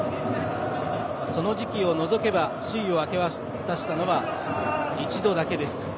その時期を除けば首位を明け渡したのは一度だけです。